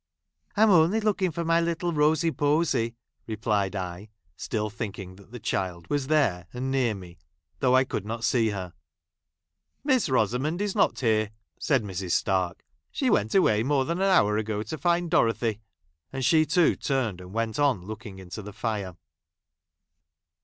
" I'm only looking for my little Rosy Posy," replied I, still thinking that the child was there, ancl near me, though I could not see her. " Miss Rosamond is not here," said Mrs. Stai'k. " She went away more than an hour ago to find Dorothy." And she too turned and went on looking into the fire.